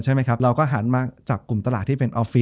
จบการโรงแรมจบการโรงแรม